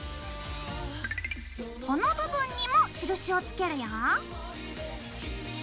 この部分にも印をつけるよ。